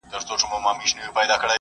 هغه هره شپه همدلته کښېني.